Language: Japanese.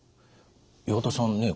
岩田さんね